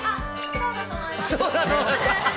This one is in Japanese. そうだと思います？